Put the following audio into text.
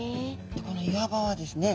でこの岩場はですね